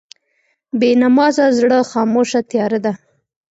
بېنمازه زړه خاموشه تیاره ده.